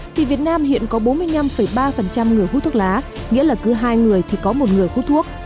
thì việt nam hiện có bốn mươi năm ba người hút thuốc lá nghĩa là cứ hai người thì có một người hút thuốc